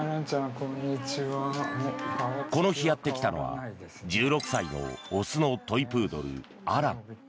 この日やってきたのは１６歳の雄のトイプードルアラン。